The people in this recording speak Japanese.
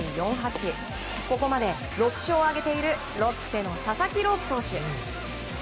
ここまで６勝を挙げているロッテの佐々木朗希投手。